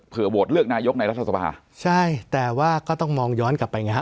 โหวตเลือกนายกในรัฐสภาใช่แต่ว่าก็ต้องมองย้อนกลับไปไงฮะ